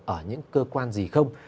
ở những cơ quan gì không